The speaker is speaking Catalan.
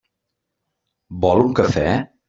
Vol un cafè?